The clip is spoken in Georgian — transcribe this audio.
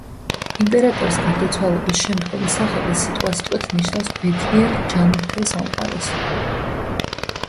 იმპერატორის გარდაცვალების შემდგომი სახელი სიტყვასიტყვით ნიშნავს „ბედნიერ ჯანმრთელ სამყაროს“.